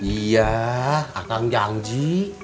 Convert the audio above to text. iya akang janji